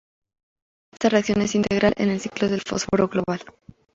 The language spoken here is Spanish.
Esta reacción es integral en el ciclo del fósforo global.